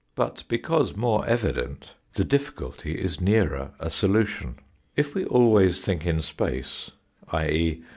But because more evident the difficulty is nearer a solution. If we always think in space, i.e.